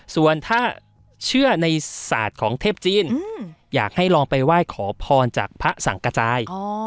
ส่วนถ้าเชื่อในศาสตร์ของเทพจีนอยากให้ลองไปไหว้ขอพรจากพระสังกระจาย